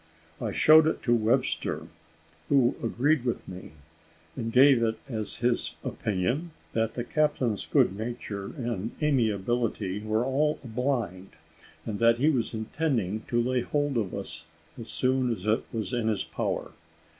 I showed it to Webster, who agreed with me, and gave it as his opinion that the captain's good nature and amiability were all a blind, and that he was intending to lay hold of us as soon as it was in his power.